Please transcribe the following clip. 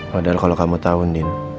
padahal kalo kamu tau ndin